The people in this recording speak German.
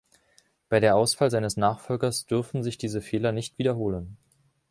Bei der Auswahl seines Nachfolgers dürfen sich diese Fehler nicht wiederholen.